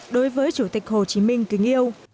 đối với chủ tịch hồ chí minh kính yêu